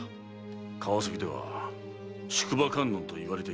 川崎では「宿場観音」と言われていたそうだな。